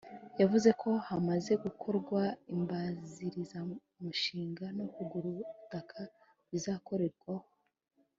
yavuze ko hamaze gukorwa imbanzirizamushinga no kugura ubutaka bizakorerwaho